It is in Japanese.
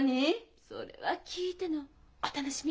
それは聞いてのお楽しみ！